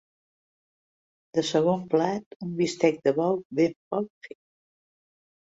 De segon plat un bistec de bou ben poc fet.